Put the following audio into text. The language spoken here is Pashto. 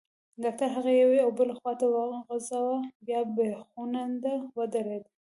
ډاکټر هغه یوې او بلې خواته وخوځاوه، بیا بېخونده ودرېد.